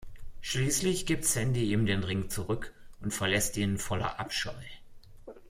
Schließlich gibt Sandy ihm den Ring zurück und verlässt ihn voller Abscheu.